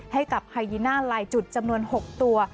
ให้กับไฮยิน่าลายจุดจำนวน๖ตัว